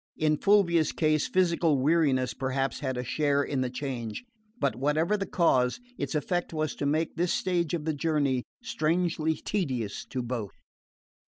In Fulvia's case physical weariness perhaps had a share in the change; but whatever the cause, its effect was to make this stage of the journey strangely tedious to both.